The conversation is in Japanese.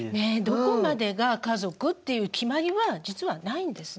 どこまでが家族っていう決まりは実はないんですね。